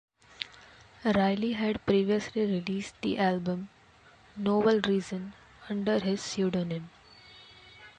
Riley had previously released the album "Novel Reason" under his pseudonym.